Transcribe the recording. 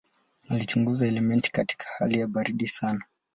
Alichunguza elementi katika hali ya baridi sana.